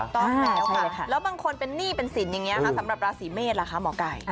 ต้องแล้วค่ะแล้วบางคนเป็นหนี้เป็นสินอย่างนี้ค่ะสำหรับราศีเมษล่ะคะหมอไก่